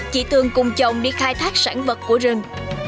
chị tường cùng chồng đi khai thác sản vật của rừng